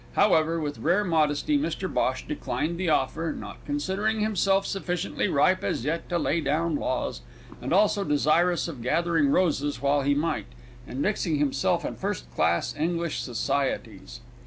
However, with rare modesty Mr Bhosh declined the offer, not considering himself sufficiently ripe as yet to lay down laws, and also desirous of gathering roses while he might, and mixing himself in first class English societies.